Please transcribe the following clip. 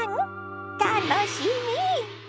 楽しみ！